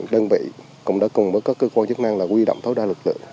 đơn vị cũng đã cùng với các cơ quan chức năng là quy động tối đa lực lượng